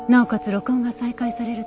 録音が再開されると。